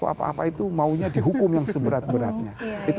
apa apa itu maunya dihukum yang seberat beratnya